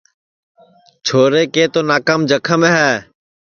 چھورے کُے تُونام جکھم ہے